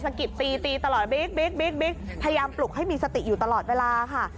กิบตีตีตลอดบิ๊กพยายามปลุกให้มีสติอยู่ตลอดเวลาค่ะ